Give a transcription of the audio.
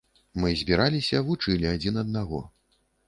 Мы збіраліся, вучылі адзін аднаго.